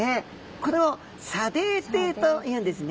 これを砂泥底というんですね。